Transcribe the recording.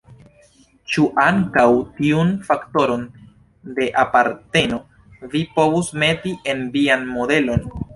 Ĉu ankaŭ tiun faktoron de aparteno vi povus meti en vian modelon?